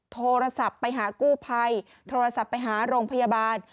โทรศัพท์ไปหากู้ภัยโทรศัพท์ไปหาโรงพยาบาล